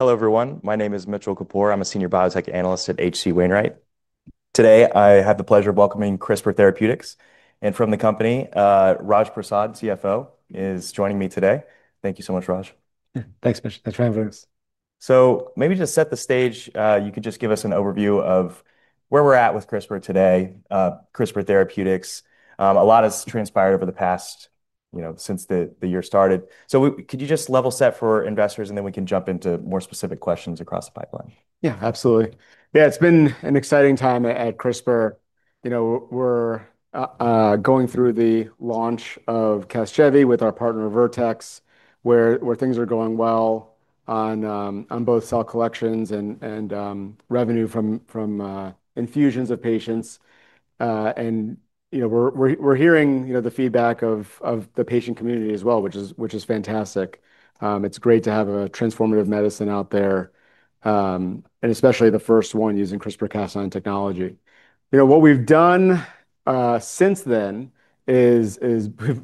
Hello everyone. My name is Mitchell Kapoor. I'm a Senior Biotech Analyst at HC Wainwright. Today, I have the pleasure of welcoming CRISPR Therapeutics. From the company, Raj Prasad, CFO, is joining me today. Thank you so much, Raj. Yeah, thanks, Mitchell. Thanks for having us. Maybe just set the stage. You could just give us an overview of where we're at with CRISPR Therapeutics today. A lot has transpired over the past, you know, since the year started. Could you just level set for investors, and then we can jump into more specific questions across the pipeline? Yeah, absolutely. Yeah, it's been an exciting time at CRISPR Therapeutics. You know, we're going through the launch of CASGEVY with our partner Vertex Pharmaceuticals, where things are going well on both cell collections and revenue from infusions of patients. You know, we're hearing the feedback of the patient community as well, which is fantastic. It's great to have a transformative medicine out there, especially the first one using CRISPR-Cas9 technology. You know, what we've done since then is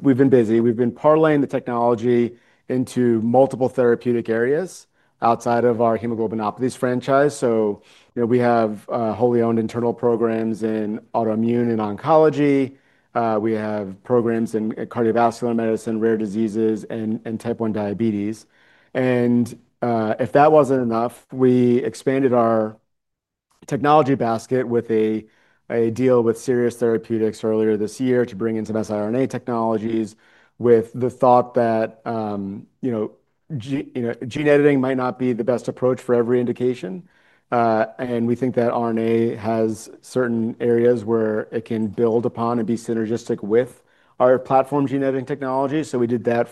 we've been busy. We've been parlaying the technology into multiple therapeutic areas outside of our hemoglobinopathies franchise. We have wholly owned internal programs in autoimmune and oncology. We have programs in cardiovascular medicine, rare diseases, and type 1 diabetes. If that wasn't enough, we expanded our technology basket with a deal with Sirius Therapeutics earlier this year to bring in some siRNA technologies with the thought that gene editing might not be the best approach for every indication. We think that RNA has certain areas where it can build upon and be synergistic with our platform gene editing technology. We did that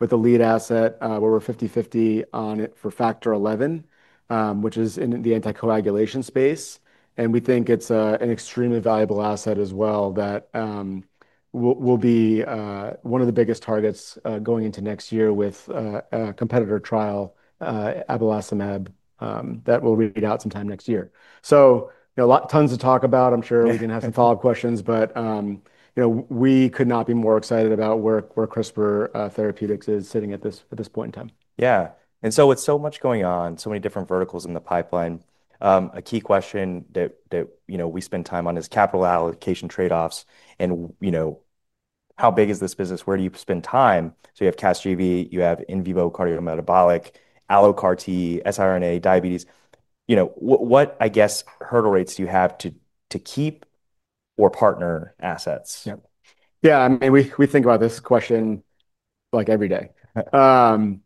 with a lead asset where we're 50-50 on it for factor XI, which is in the anticoagulation space. We think it's an extremely valuable asset as well that will be one of the biggest targets going into next year with a competitor trial, abelacimab, that will be out sometime next year. A lot, tons to talk about. I'm sure we can have some follow-up questions, but we could not be more excited about where CRISPR Therapeutics is sitting at this point in time. Yeah, with so much going on, so many different verticals in the pipeline, a key question that we spend time on is capital allocation trade-offs. You know, how big is this business? Where do you spend time? You have CASGEVY, you have in vivo cardiometabolic, allogeneic CAR-T, siRNA, diabetes. What, I guess, hurdle rates do you have to keep or partner assets? Yeah, yeah, I mean, we think about this question like every day. The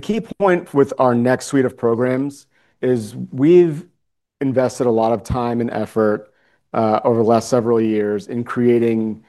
key point with our next suite of programs is we've invested a lot of time and effort over the last several years in creating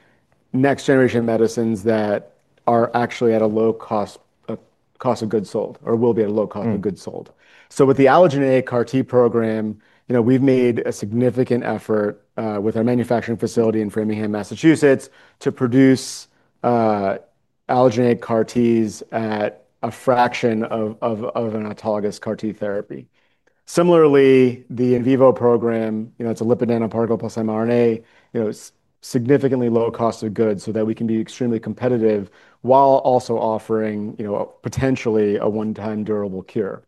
next-generation medicines that are actually at a low cost of goods sold, or will be at a low cost of goods sold. With the allogeneic CAR-T program, we've made a significant effort with our manufacturing facility in Framingham, Massachusetts, to produce allogeneic CAR-Ts at a fraction of an autologous CAR-T therapy. Similarly, the in vivo program, it's a lipid-antiparticle plus mRNA, significantly low cost of goods so that we can be extremely competitive while also offering potentially a one-time durable cure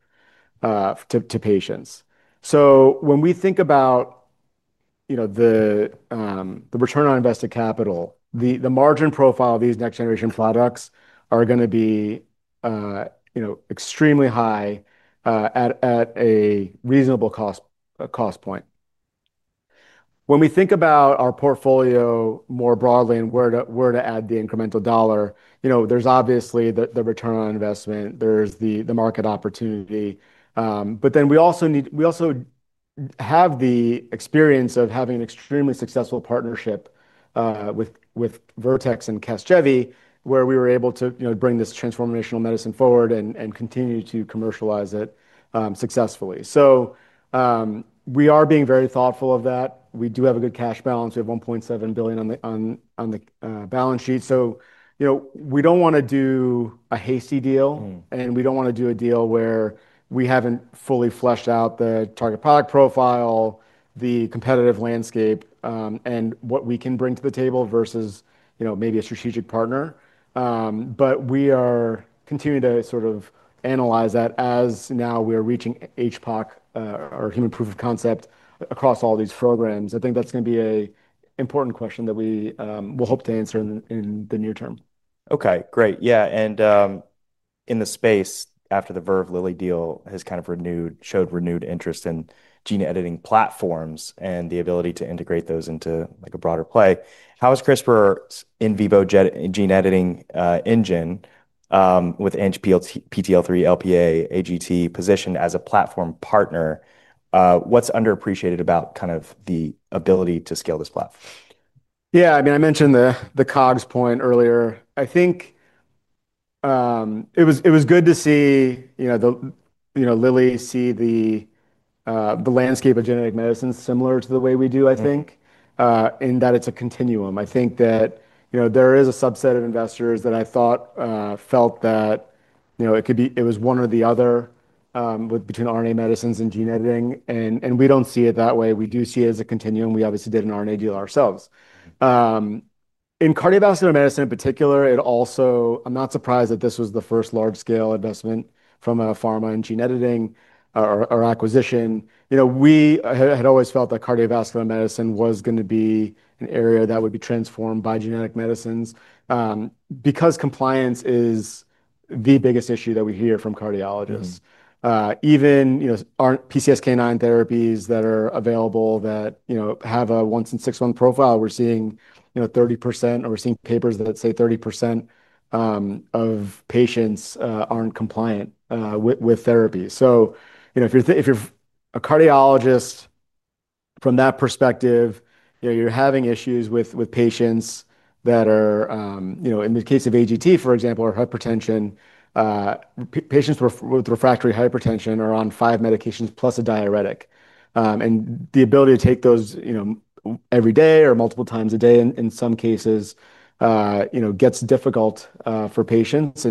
to patients. When we think about the return on invested capital, the margin profile of these next-generation products are going to be extremely high at a reasonable cost point. When we think about our portfolio more broadly and where to add the incremental dollar, there's obviously the return on investment. There's the market opportunity. We also have the experience of having an extremely successful partnership with Vertex Pharmaceuticals and CASGEVY, where we were able to bring this transformational medicine forward and continue to commercialize it successfully. We are being very thoughtful of that. We do have a good cash balance. We have $1.7 billion on the balance sheet. We don't want to do a hasty deal. We don't want to do a deal where we haven't fully fleshed out the target product profile, the competitive landscape, and what we can bring to the table versus maybe a strategic partner. We are continuing to sort of analyze that as now we are reaching human proof of concept across all these programs. I think that's going to be an important question that we will hope to answer in the near term. Okay, great. Yeah, in the space, after the Verve Lilly deal has kind of showed renewed interest in gene editing platforms and the ability to integrate those into like a broader play, how is CRISPR's in vivo gene editing engine with ANGPTL3, LPA, AGT positioned as a platform partner? What's underappreciated about kind of the ability to scale this platform? Yeah, I mean, I mentioned the COGS point earlier. I think it was good to see, you know, that Lilly sees the landscape of genetic medicine similar to the way we do, I think, in that it's a continuum. I think that, you know, there is a subset of investors that I thought felt that, you know, it could be, it was one or the other between RNA medicines and gene editing. We don't see it that way. We do see it as a continuum. We obviously did an RNA deal ourselves. In cardiovascular medicine in particular, it also, I'm not surprised that this was the first large-scale investment from a pharma in gene editing or acquisition. We had always felt that cardiovascular medicine was going to be an area that would be transformed by genetic medicines because compliance is the biggest issue that we hear from cardiologists. Even, you know, PCSK9 therapies that are available that, you know, have a once-in-a-six-month profile, we're seeing, you know, 30%, or we're seeing papers that say 30% of patients aren't compliant with therapy. If you're a cardiologist from that perspective, you're having issues with patients that are, you know, in the case of AGT, for example, or hypertension, patients with refractory hypertension are on five medications plus a diuretic. The ability to take those, you know, every day or multiple times a day in some cases, gets difficult for patients.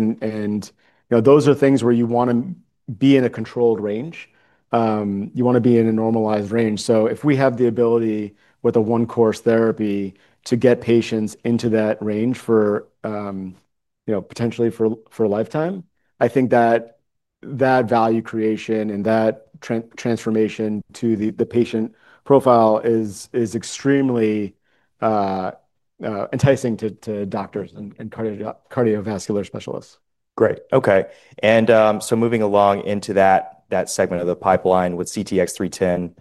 Those are things where you want to be in a controlled range. You want to be in a normalized range. If we have the ability with a one-course therapy to get patients into that range for, you know, potentially for a lifetime, I think that that value creation and that transformation to the patient profile is extremely enticing to doctors and cardiovascular specialists. Great, okay. Moving along into that segment of the pipeline with CTX310,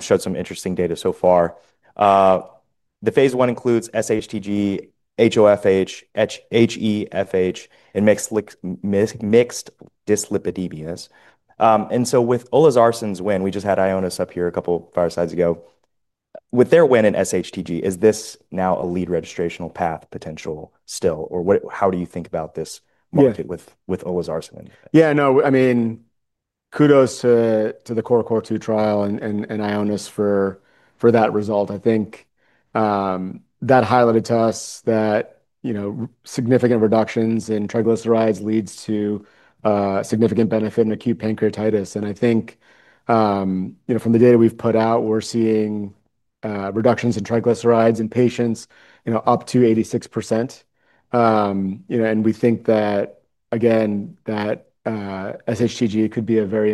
showed some interesting data so far. The phase one includes SHTG, HoFH, HeFH, and mixed dyslipidemia. With Olezarsen's win, we just had Ionis up here a couple of firesides ago. With their win in SHTG, is this now a lead registrational path potential still? How do you think about this with Olezarsen? Yeah, no, I mean, kudos to the CORE-CO2 trial and Ionis Pharmaceuticals for that result. I think that highlighted to us that, you know, significant reductions in triglycerides lead to significant benefit in acute pancreatitis. I think, you know, from the data we've put out, we're seeing reductions in triglycerides in patients, you know, up to 86%. We think that, again, that SHTG could be a very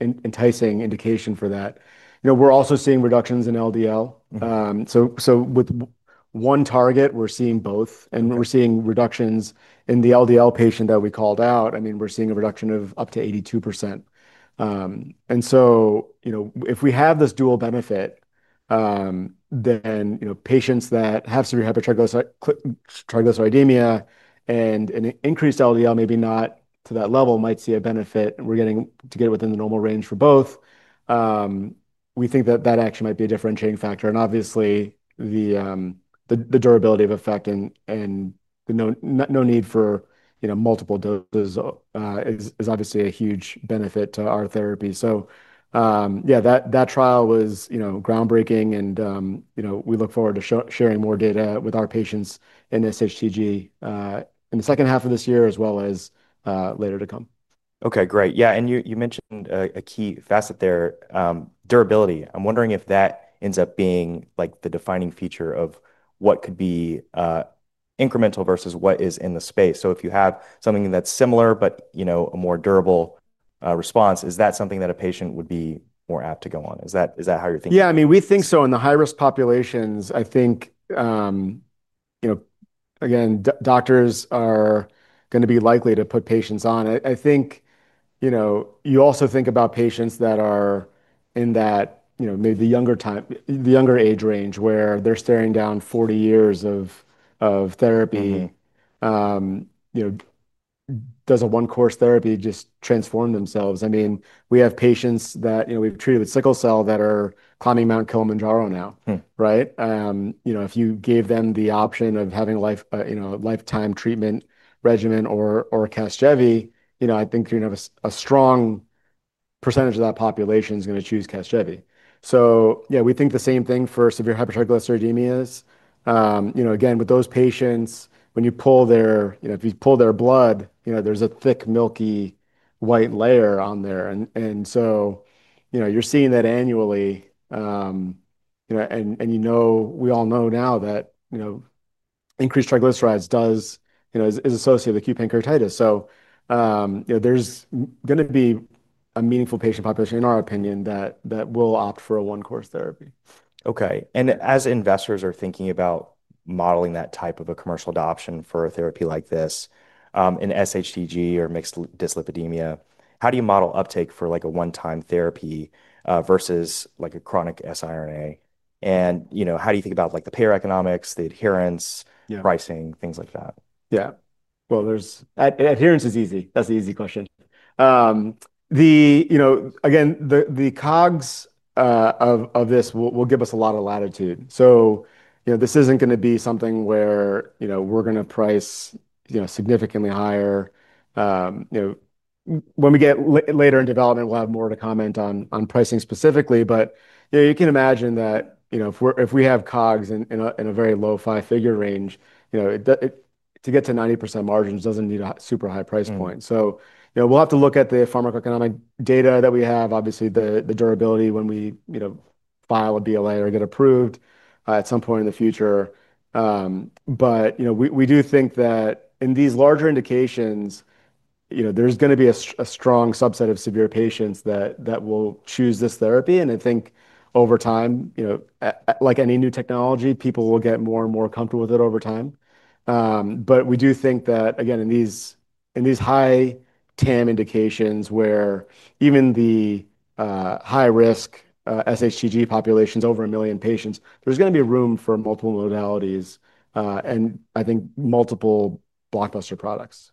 enticing indication for that. We're also seeing reductions in LDL. With one target, we're seeing both, and we're seeing reductions in the LDL patient that we called out. I mean, we're seeing a reduction of up to 82%. If we have this dual benefit, then, you know, patients that have severe hypertriglyceridemia and an increased LDL, maybe not to that level, might see a benefit. We're getting to get it within the normal range for both. We think that actually might be a differentiating factor. Obviously, the durability of effect and the no need for, you know, multiple doses is obviously a huge benefit to our therapy. That trial was, you know, groundbreaking. We look forward to sharing more data with our patients in SHTG in the second half of this year, as well as later to come. Okay, great. You mentioned a key facet there, durability. I'm wondering if that ends up being the defining feature of what could be incremental versus what is in the space. If you have something that's similar, but a more durable response, is that something that a patient would be more apt to go on? Is that how you're thinking? Yeah, I mean, we think so in the high-risk populations. I think doctors are going to be likely to put patients on it. I think you also think about patients that are in that, maybe the younger time, the younger age range where they're staring down 40 years of therapy. You know, does a one-course therapy just transform themselves? I mean, we have patients that we've treated with sickle cell that are climbing Mount Kilimanjaro now, right? If you gave them the option of having a lifetime treatment regimen or CASGEVY, I think a strong percentage of that population is going to choose CASGEVY. Yeah, we think the same thing for severe hypertriglyceridemias. With those patients, when you pull their blood, there's a thick, milky white layer on there. You're seeing that annually. We all know now that increased triglycerides is associated with acute pancreatitis. There's going to be a meaningful patient population, in our opinion, that will opt for a one-course therapy. Okay, as investors are thinking about modeling that type of a commercial adoption for a therapy like this in SHTG or mixed dyslipidemia, how do you model uptake for like a one-time therapy versus like a chronic siRNA? How do you think about like the pareconomics, the adherence, pricing, things like that? Adherence is easy. That's the easy question. The COGS of this will give us a lot of latitude. This isn't going to be something where we're going to price significantly higher. When we get later in development, we'll have more to comment on pricing specifically. You can imagine that if we have COGS in a very low five-figure range, to get to 90% margins doesn't need a super high price point. We'll have to look at the pharmaco-economic data that we have, obviously the durability when we file a BLA or get approved at some point in the future. We do think that in these larger indications, there's going to be a strong subset of severe patients that will choose this therapy. I think over time, like any new technology, people will get more and more comfortable with it over time. We do think that in these high TAM indications where even the high-risk SHTG populations are over a million patients, there's going to be room for multiple modalities and I think multiple blockbuster products.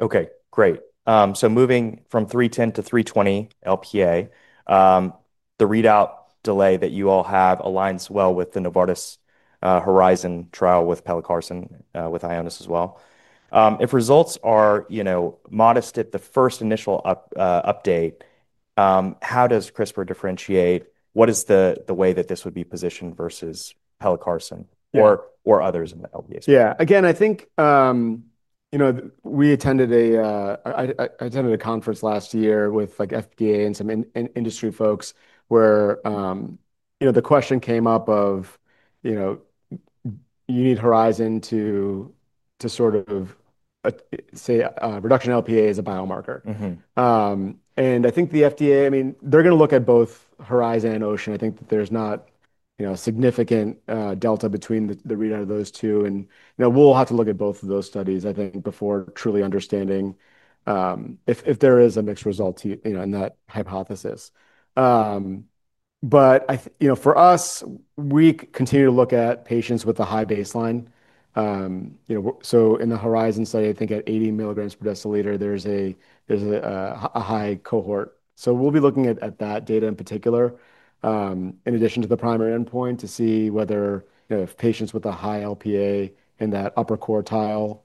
Okay, great. Moving from 310 to 320 LPA, the readout delay that you all have aligns well with the Novartis Horizon trial with Pelacarsen with Ionis as well. If results are, you know, modest at the first initial update, how does CRISPR differentiate? What is the way that this would be positioned versus Pelacarsen or others in the LPA space? Yeah, again, I think, you know, we attended a conference last year with FDA and some industry folks where the question came up of, you know, you need Horizon to sort of say a reduction in LPA is a biomarker. I think the FDA, I mean, they're going to look at both Horizon and Ocean. I think that there's not a significant delta between the readout of those two. We'll have to look at both of those studies before truly understanding if there is a mixed result in that hypothesis. For us, we continue to look at patients with a high baseline. In the Horizon study, I think at 80 milligrams per deciliter, there's a high cohort. We'll be looking at that data in particular, in addition to the primary endpoint, to see whether patients with a high LPA in that upper quartile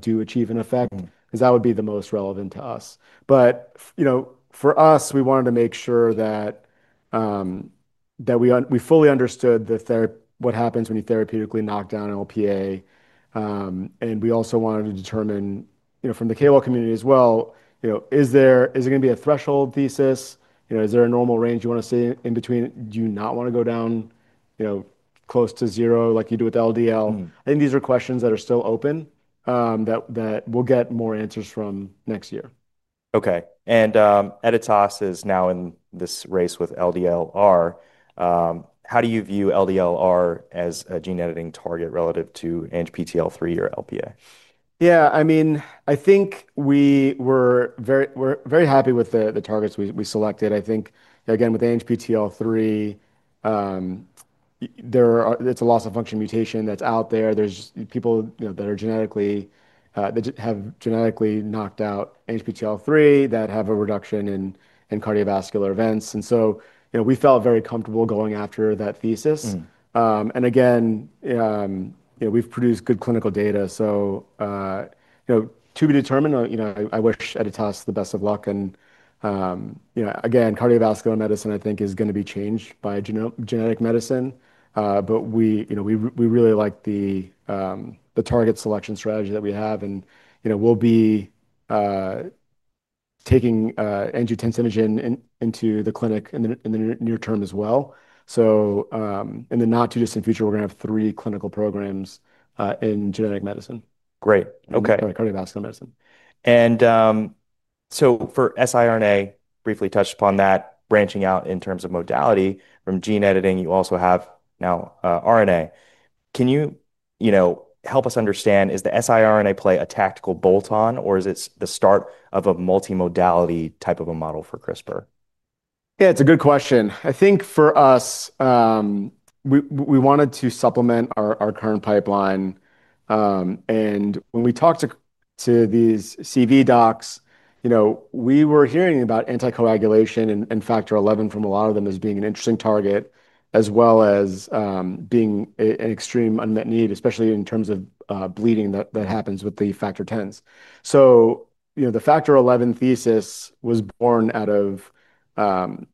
do achieve an effect, because that would be the most relevant to us. For us, we wanted to make sure that we fully understood what happens when you therapeutically knock down LPA. We also wanted to determine from the KOL community as well, is there going to be a threshold thesis? Is there a normal range you want to see in between? Do you not want to go down close to zero like you do with LDL? I think these are questions that are still open that we'll get more answers from next year. Okay, and Editas is now in this race with LDLR. How do you view LDLR as a gene editing target relative to ANGPTL3 or LPA? Yeah, I mean, I think we were very happy with the targets we selected. I think, again, with ANGPTL3, it's a loss of function mutation that's out there. There's people, you know, that are genetically, that have genetically knocked out ANGPTL3 that have a reduction in cardiovascular events. You know, we felt very comfortable going after that thesis. Again, we've produced good clinical data. To be determined, I wish EDITAS the best of luck. Cardiovascular medicine, I think, is going to be changed by genetic medicine. We really like the target selection strategy that we have. We'll be taking angiotensinogen into the clinic in the near term as well. In the not too distant future, we're going to have three clinical programs in genetic medicine. Great, okay. Cardiovascular medicine. For siRNA, briefly touched upon that, branching out in terms of modality from gene editing, you also have now RNA. Can you help us understand, is the siRNA play a tactical bolt-on or is it the start of a multimodality type of a model for CRISPR Therapeutics? Yeah, it's a good question. I think for us, we wanted to supplement our current pipeline. When we talked to these CV docs, we were hearing about anticoagulation and factor XI from a lot of them as being an interesting target, as well as being an extreme unmet need, especially in terms of bleeding that happens with the factor Xs. The factor XI thesis was born out of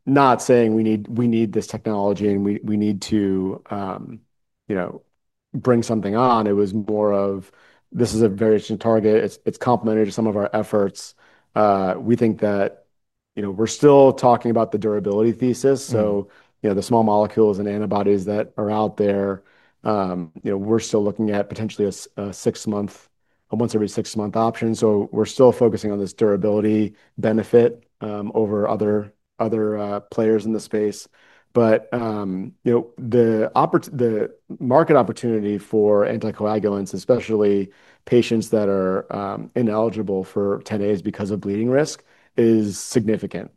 not saying we need this technology and we need to bring something on. It was more of this is a very interesting target. It's complementary to some of our efforts. We think that we're still talking about the durability thesis. The small molecules and antibodies that are out there, we're still looking at potentially a once every six-month option. We're still focusing on this durability benefit over other players in the space. The market opportunity for anticoagulants, especially patients that are ineligible for Xs because of bleeding risk, is significant.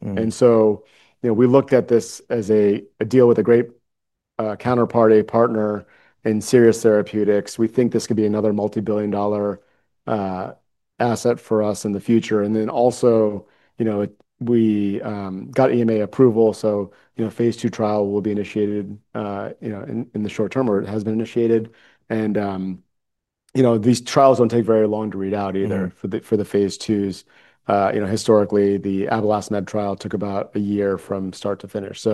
We looked at this as a deal with a great counterparty partner in Sirius Therapeutics. We think this could be another multi-billion dollar asset for us in the future. Also, we got EMA approval. Phase 2 trial will be initiated in the short term or it has been initiated. These trials don't take very long to read out either for the Phase 2s. Historically, the abelacimab trial took about a year from start to finish.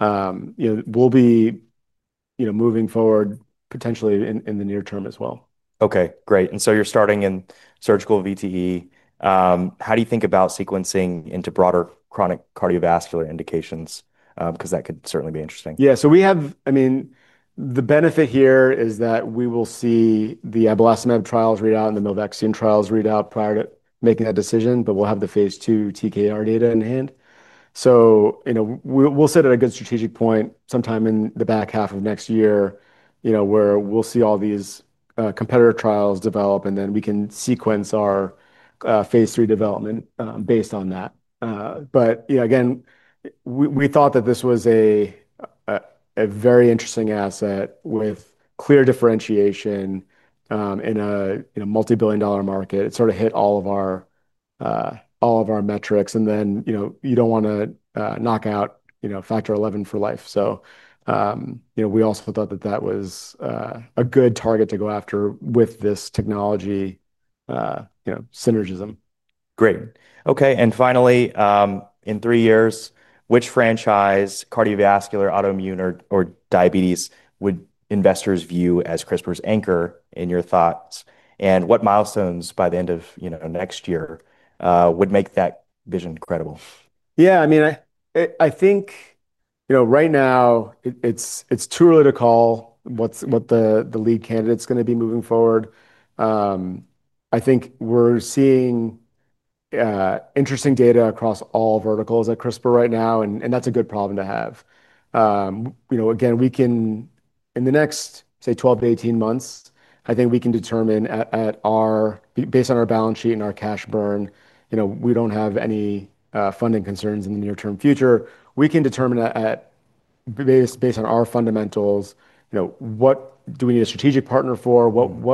We'll be moving forward potentially in the near term as well. Okay, great. You're starting in surgical VTE. How do you think about sequencing into broader chronic cardiovascular indications? That could certainly be interesting. Yeah, so we have, I mean, the benefit here is that we will see the abelacimab trials read out and the milvexian trials read out prior to making that decision. We'll have the phase two TKR data in hand. You know, we'll sit at a good strategic point sometime in the back half of next year, where we'll see all these competitor trials develop. We can sequence our phase three development based on that. You know, again, we thought that this was a very interesting asset with clear differentiation in a multi-billion dollar market. It sort of hit all of our metrics. You don't want to knock out, you know, factor XI for life. We also thought that that was a good target to go after with this technology, you know, synergism. Great. Okay, finally, in three years, which franchise, cardiovascular, autoimmune, or diabetes, would investors view as CRISPR's anchor in your thoughts? What milestones by the end of, you know, next year would make that vision credible? Yeah, I mean, I think right now it's too early to call what the lead candidate's going to be moving forward. I think we're seeing interesting data across all verticals at CRISPR Therapeutics right now, and that's a good problem to have. Again, we can, in the next, say, 12 to 18 months, I think we can determine, based on our balance sheet and our cash burn, we don't have any funding concerns in the near-term future. We can determine, based on our fundamentals, what do we need a strategic partner for, what.